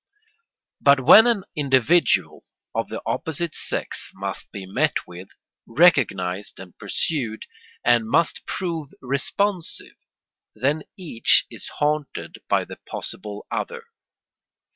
But when an individual of the opposite sex must be met with, recognised, and pursued, and must prove responsive, then each is haunted by the possible other.